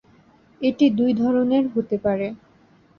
এটি দুই ধরনের হতে পারে।